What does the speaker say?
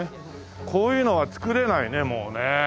こういうのは作れないねもうね。